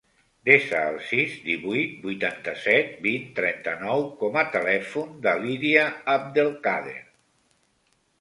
Desa el sis, divuit, vuitanta-set, vint, trenta-nou com a telèfon de l'Iria Abdelkader.